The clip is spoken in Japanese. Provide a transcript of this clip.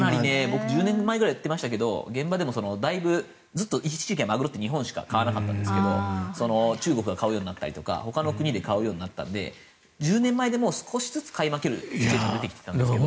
１０年ぐらいやってましたけど現場でもだいぶ一時期ってマグロって日本しか買わなかったんですけど中国が買うようになったりとかほかの国で買うようになったので１０年前でも少しずつ買い負けることが出てきたんですけど。